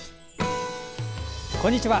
こんにちは。